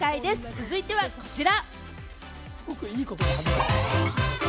続いては、こちら。